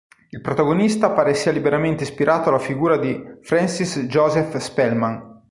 Il protagonista pare sia liberamente ispirato alla figura di Francis Joseph Spellman.